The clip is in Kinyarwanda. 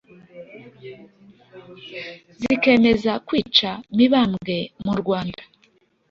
Zikemeza kwica Mibambwe murwanda